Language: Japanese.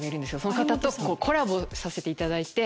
その方とコラボさせていただいて。